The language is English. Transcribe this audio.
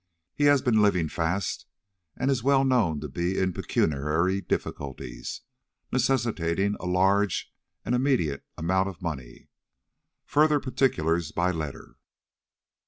He has been living fast, and is well known to be in pecuniary difficulties, necessitating a large and immediate amount of money. Further particulars by letter.